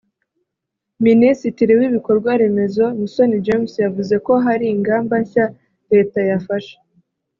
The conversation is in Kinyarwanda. Minisitiri w’ibikorwaremezo Musoni James yavuze ko hari ingamba nshya Leta yafashe